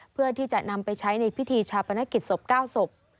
เพื่อที่จะนำไปใช้ในพิธีชาปนกิจศพ๙ศพ